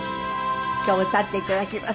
今日は歌って頂きます。